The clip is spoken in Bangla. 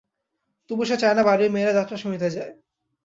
তবু সে চায় না বাড়ির মেয়েরা যাত্রা শুনিতে যায়।